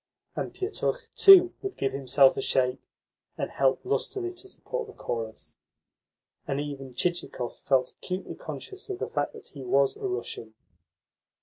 And Pietukh, too, would give himself a shake, and help lustily to support the chorus; and even Chichikov felt acutely conscious of the fact that he was a Russian.